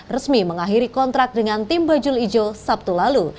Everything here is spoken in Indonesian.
resmi mengakhiri kontrak dengan tim bajul ijo sabtu lalu